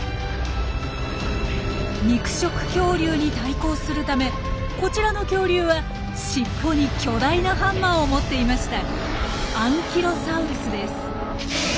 肉食恐竜に対抗するためこちらの恐竜は尻尾に巨大なハンマーを持っていました。